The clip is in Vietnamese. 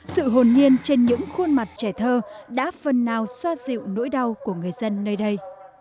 sự hồn nhiên trên những khuôn mặt trẻ thơ đã phần nào xoa dịu nỗi đau của người dân nơi đây